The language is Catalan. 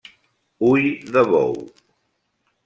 Ui de bou.